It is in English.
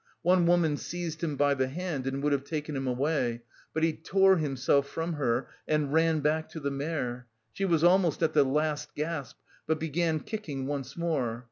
One woman seized him by the hand and would have taken him away, but he tore himself from her and ran back to the mare. She was almost at the last gasp, but began kicking once more.